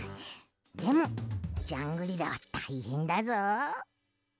でもジャングリラはたいへんだぞ。